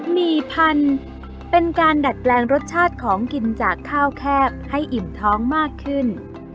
หมี่พันธุ์เป็นการดัดแปลงรสชาติของกินจากข้าวแคบให้อิ่มท้องมากขึ้น